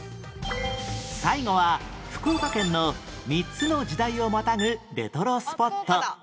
最後は福岡県の３つの時代をまたぐレトロスポット